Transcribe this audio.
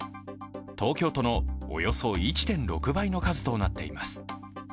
東京都のおよそ１．６倍の数となっています。